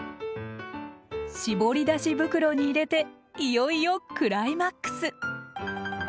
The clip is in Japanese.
絞り出し袋に入れていよいよクライマックス！